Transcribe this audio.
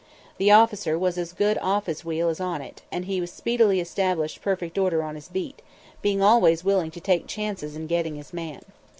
The officer was as good off his wheel as on it, and he speedily established perfect order on his beat, being always willing to "take chances" in getting his man.